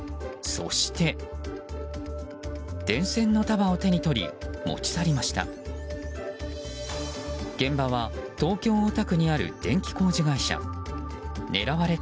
そして、電線の束を手に取り持ち去りました。